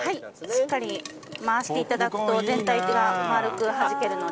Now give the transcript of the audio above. しっかり回していただくと全体から丸くはじけるので。